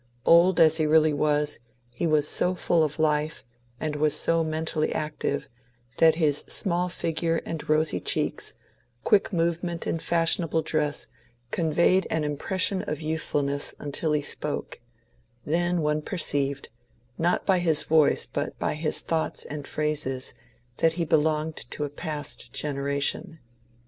Old as he really was, he was so full of life, and was so mentally active, that his small figure and rosy cheeks, quick movement and fashionable dress, conveyed an impression of youthful ness until he spoke : then one perceived, not by his voice but by his thoughts and phrases, that he belonged to a past gen eration.